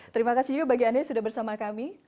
terima kasih juga bagi anda yang sudah bersama kami